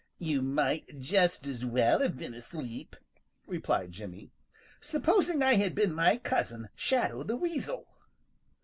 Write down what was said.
"You might just as well have been asleep," replied Jimmy. "Supposing I had been my cousin, Shadow the Weasel."